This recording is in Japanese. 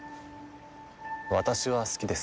私は好きですよ